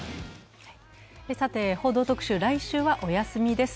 「報道特集」来週はお休みです。